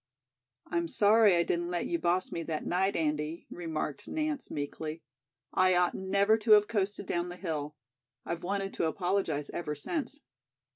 "I'm sorry I didn't let you boss me that night, Andy," remarked Nance meekly. "I ought never to have coasted down the hill. I've wanted to apologize ever since."